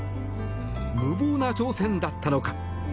無謀な挑戦だったのか。